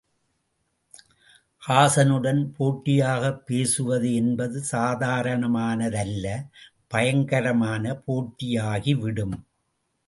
ஹாஸனுடன் போட்டியாகப் பேசுவது என்பது சாதாரணமானதல்ல பயங்கரமான போட்டியாகி விடும்.